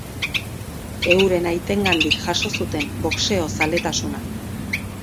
Euren aitengandik jaso zuten boxeo zaletasuna.